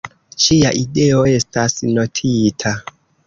Ĉia ideo estas notita.